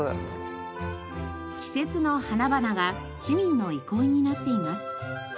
季節の花々が市民の憩いになっています。